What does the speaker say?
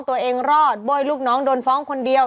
ตัวเองรอดโบ้ยลูกน้องโดนฟ้องคนเดียว